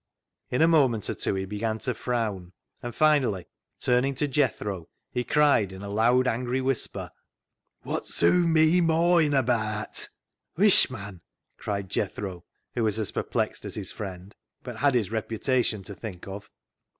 In a moment or two he began to frown, and, finally, turning to Jethro, he cried in a loud, angry whisper —" What's hoo mee mawin abaat ?"" Huish, mon," cried Jethro, who was as per plexed as his friend, but had his reputation to think of.